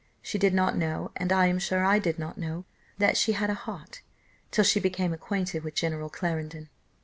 She did not know, and I am sure I did not know, that she had a heart, till she became acquainted with General Clarendon.